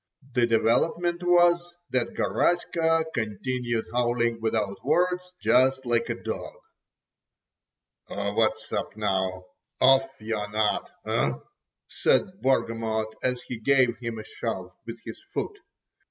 The development was that Garaska continued howling without words, just like a dog. "What's up now? Off your nut, eh?" said Bargamot as he gave him a shove with his foot.